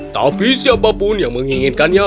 tapi siapapun yang menginginkannya